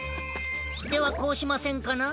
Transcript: ではこうしませんかな？